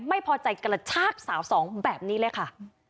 ไม่พอใจกระชากสาวสองแบบนี้เลยค่ะ